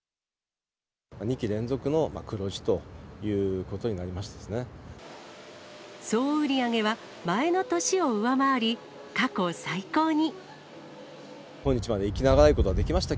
２期連続の黒字ということに総売り上げは前の年を上回り、過去最高に。